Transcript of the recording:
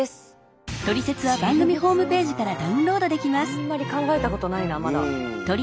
腎臓あんまり考えたことないなまだ。